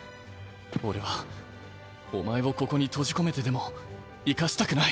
俺はお前をここに閉じ込めてでも行かせたくない。